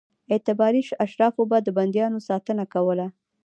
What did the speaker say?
اعتباري اشرافو به د بندیانو ساتنه کوله.